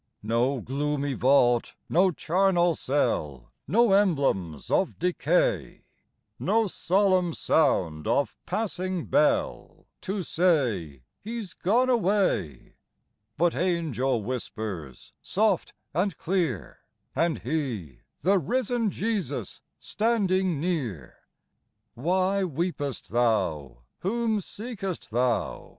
No gloomy vault, no charnel cell, No emblems of decay, No solemn sound of passing bell, To say, " He's gone away ;" But angel whispers soft and clear, And He, the risen Jesus, standing near. " Why weepest thou ? Whom seekest thou